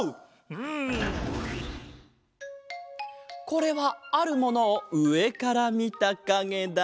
これはあるものをうえからみたかげだ。